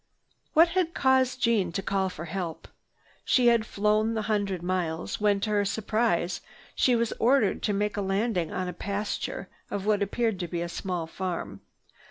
What had caused Jeanne to call for help? She had flown the hundred miles when, to her surprise, she was ordered to make a landing on a pasture of what appeared to be a small farm.